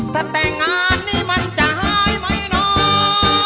ถ้าแต่งงานนี่มันจะหายไหมน้อง